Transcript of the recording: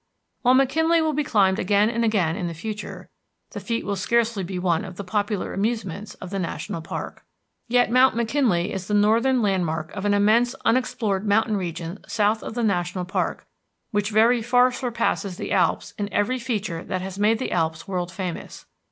While McKinley will be climbed again and again in the future, the feat will scarcely be one of the popular amusements of the national park. Yet Mount McKinley is the northern landmark of an immense unexplored mountain region south of the national park, which very far surpasses the Alps in every feature that has made the Alps world famous.